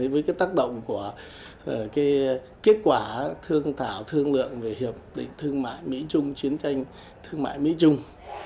với tác động của kết quả thương thảo thương lượng về hiệp định thương mại mỹ trung chiến tranh thương mại mỹ trung